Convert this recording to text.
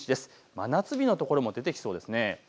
真夏日の所も出てきそうです。